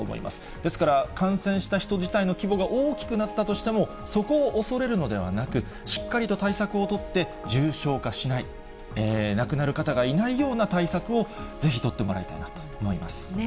ですから感染した人自体の規模が大きくなったとしても、そこを恐れるのではなく、しっかりと対策を取って、重症化しない、亡くなる方がいないような対策をぜひ取ってもらいたいなと思います。